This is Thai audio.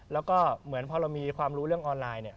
แล้วก็เหมือนพอเรามีความรู้เรื่องออนไลน์เนี่ย